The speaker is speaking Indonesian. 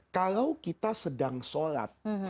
kalau kita sedang sholat